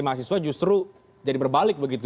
mahasiswa justru jadi berbalik begitu